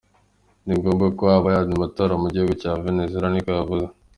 ni ngombwa ko haba ayandi matora mu gihugu ca Venezuela", ni ko yavuze.